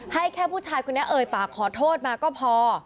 ให้แค่ผู้ชายคนนี้เอ่ยปากขอโทษมาก็พอ